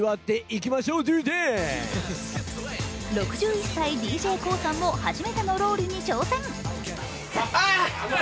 ６１歳、ＤＪＫＯＯさんも初めてのロウリュに挑戦。